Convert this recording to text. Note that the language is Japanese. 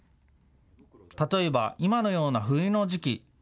例えば、今のような冬の時期。